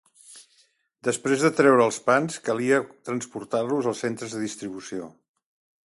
Després de treure els pans calia transportar-los als centres de distribució.